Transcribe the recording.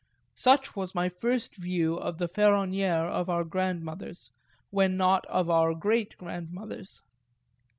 Such was my first view of the féronnière of our grandmothers, when not of our greatgrandmothers.